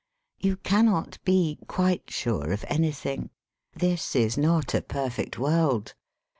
You cannot be quite sure of anything. This is not a perfect world.